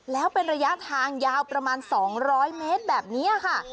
แล้วเป็นระยะทางยาวประมาณ๒๐๐เมตรแบบนี้ค่ะ